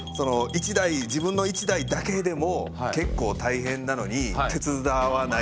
１台自分の１台だけでも結構大変なのに手伝わないと。